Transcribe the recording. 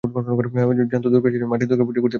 জ্যান্ত দুর্গা ছেড়ে মাটির দুর্গা পূজা করতে বসেছে।